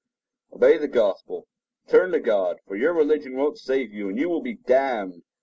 Obey the Gospel. Turn to God; for your religion won't save you, and you will be damned.